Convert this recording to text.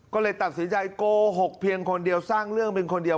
ก็เลยตัดสินใจโกหกเพียงคนเดียวสร้างเรื่องเป็นคนเดียว